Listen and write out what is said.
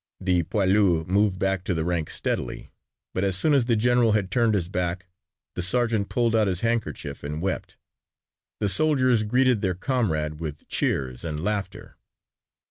The poilu moved back to the ranks steadily, but as soon as the general had turned his back the sergeant pulled out his handkerchief and wept. The soldiers greeted their comrade with cheers and laughter.